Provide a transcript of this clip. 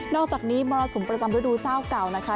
อกจากนี้มรสุมประจำฤดูเจ้าเก่านะคะ